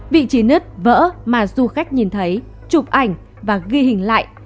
vị trí nứt vỡ mà du khách nhìn thấy chụp ảnh và ghi hình lại